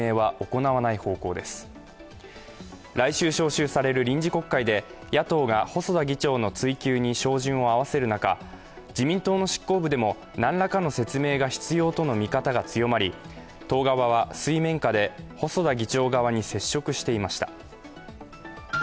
来週召集される臨時国会で野党が細田議長の追及に照準を合わせる中自民党の執行部でも何らかの説明が必要との見方が強まり、党側は水面下で細田議長側に接触していました。